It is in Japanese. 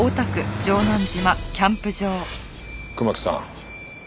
熊木さん。